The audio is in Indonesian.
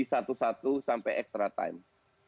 satu satu sampai extra time